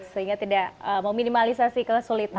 sehingga tidak meminimalisasi kesulitan